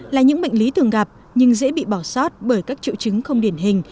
là những bệnh lý thường gặp nhưng dễ bị bỏ sót bởi các triệu chứng không điển hình